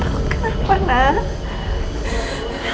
takut takut kenapa na